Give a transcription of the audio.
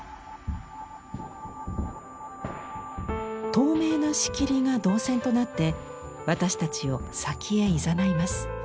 透明な仕切りが動線となって私たちを先へいざないます。